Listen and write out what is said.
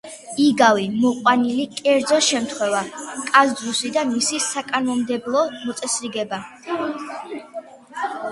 იგავი მოყვანილი კერძო შემთხვევა, კაზუსი და მისი საკანონმდებლო მოწესრიგება.